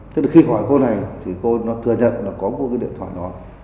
thế thì khi hỏi cô này thì cô ấy nó thừa nhận là có một cái điện thoại đó